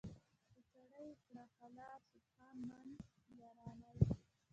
"په چاړه یې کړه حلاله سبحان من یرانی".